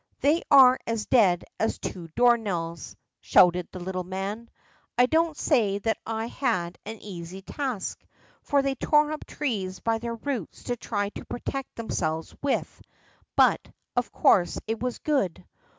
"They are as dead as two door nails," shouted the little man. "I don't say that I had an easy task, for they tore up trees by their roots to try to protect themselves with, but, of course, it was no good.